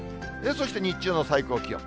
そして日中の最高気温。